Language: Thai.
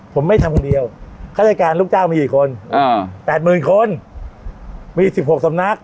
ผมไม่ทำคนเดียวฆาติการลูกจ้างมีกี่คนอ่าแปดหมื่นคนมีสิบหกสำนัก